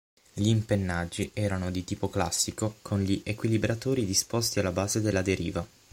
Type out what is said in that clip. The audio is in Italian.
Gli impennaggi erano di tipo classico, con gli equilibratori disposti alla base della deriva.